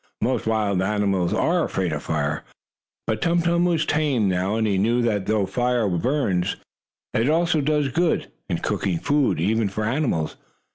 Most wild animals are afraid of fire, but Tum Tum was tame now, and he knew that though fire burns, it also does good, in cooking food, even for animals.